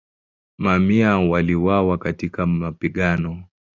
Mamia waliuawa katika mapigano.